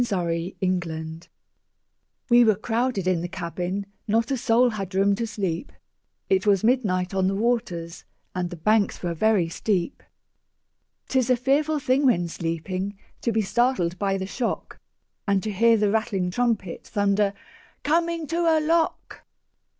Field] WE were crowded in the cabin, Not a soul had room to sleep; It was midnight on the waters, And the banks were very steep. 'Tis a fearful thing when sleeping To be startled by the shock, And to hear the rattling trumpet Thunder, "Coming to a lock!"